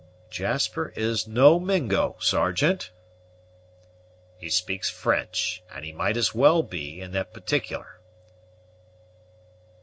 "Jasper is no Mingo, Sergeant." "He speaks French, and he might as well be, in that particular.